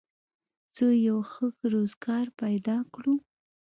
څو یو ښه روزګار پیدا کړو